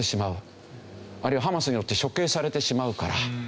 あるいはハマスによって処刑されてしまうから。